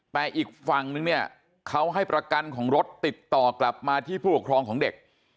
แต่อีกฝั่งนึงเนี่ยเขาให้ประกันของรถติดต่อกลับมาที่ผู้ปกครองของเด็ก